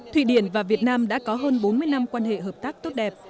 thụy điển và việt nam đã có hơn bốn mươi năm quan hệ hợp tác tốt đẹp